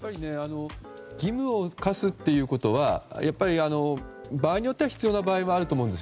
義務を課すということは場合によっては必要な場合もあると思います。